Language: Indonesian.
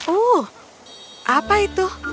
oh apa itu